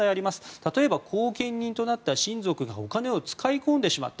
例えば後見人となった親族がお金を使い込んでしまった。